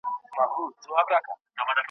که زور په بازو نه لري زر په ترازو نه لري